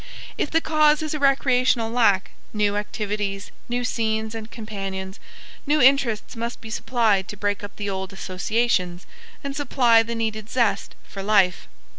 If the cause is a recreational lack, new activities, new scenes and companions, new interests must be supplied to break up the old associations and supply the needed zest for life.